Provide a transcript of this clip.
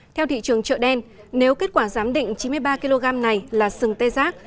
theo thị trường chợ đen nếu kết quả giám định chín mươi ba kg này là sừng tê giác